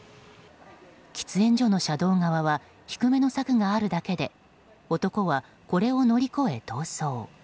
喫煙所の車道側は低めの柵があるだけで男はこれを乗り越え逃走。